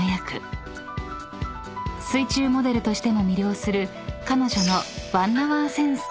［水中モデルとしても魅了する彼女の］